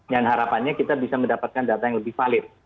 dan harapannya kita bisa mendapatkan data yang lebih valid